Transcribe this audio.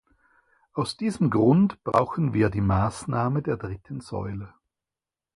Aus diesem Grund brauchen wir die Maßnahme der dritten Säule.